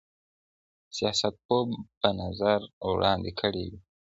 سياستپوه به نظر وړاندي کړی وي.